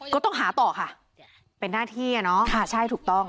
ก็ต้องหาต่อค่ะเป็นหน้าที่อ่ะเนอะค่ะใช่ถูกต้อง